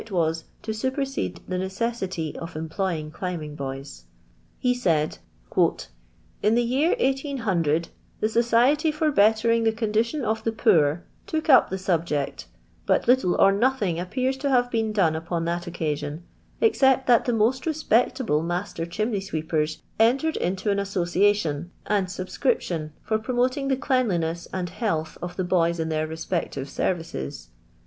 ct was to supersede the necessity of employing climbing boys. He said :—*• In the year 1 SOO, the Society for Bettering the Condition of the Poor took up the subject, but little or nothing appears to have been done upon that occasion, except that the most respectable matter chimney sweepers entered into an aBSOcia tion and subscription for promoting the cleanliness and health of the boys in their respective service*.